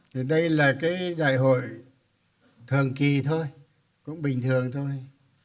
năm hai nghìn hai mươi một đây là đại hội thường kỳ thôi cũng bình thường thôi